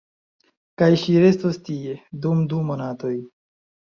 Kaj ŝi restos tie, dum du monatoj.